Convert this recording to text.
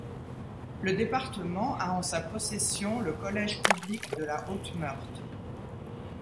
Le département a en sa possession le collège public de la Haute Meurthe.